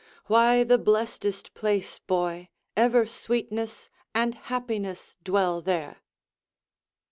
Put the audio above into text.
Why, the blessed'st place, boy! ever sweetness And happiness dwell there.